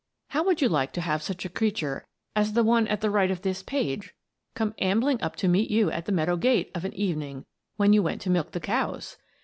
How would you like to have such a creature as the one at the right of this page come ambling up to meet you at the meadow gate of an evening when you went to milk the cows?